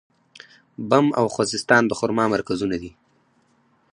بم او خوزستان د خرما مرکزونه دي.